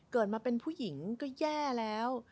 เกิดมาเป็นผู้หญิงก็แย่แล้ว